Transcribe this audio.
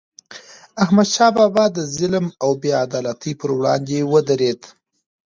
احمد شاه بابا د ظلم او بې عدالتی پر وړاندې ودرید.